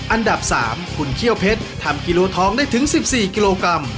อันดับ๓คุณเขี้ยวเพชรทำกิโลทองได้ถึง๑๔กิโลกรัม